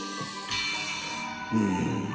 うん。